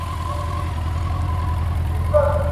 چي ملخ ته یې نیژدې کړله مشوکه `